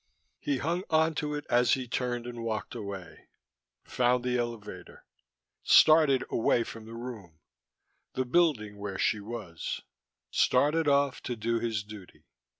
He hung on to it as he turned and walked away, found the elevator, started away from the room, the Building where she was, started off to do his duty.